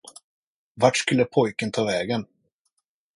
Vart skulle pojken ta vägen?